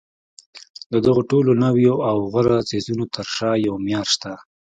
د دغو ټولو نویو او غوره څیزونو تر شا یو معیار شته